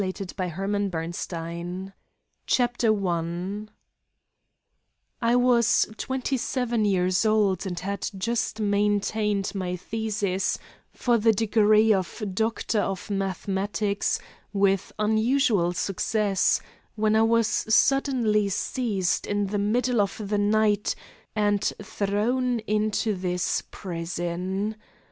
"THE MAN WHO FOUND THE TRUTH" CHAPTER I I was twenty seven years old and had just maintained my thesis for the degree of Doctor of Mathematics with unusual success, when I was suddenly seized in the middle of the night and thrown into this prison.